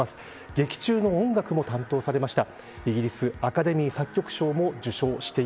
劇中の音楽も担当されました。